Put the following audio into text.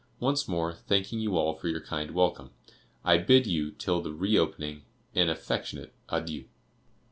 Once more, thanking you all for your kind welcome, I bid you, till the re opening, 'an affectionate adieu.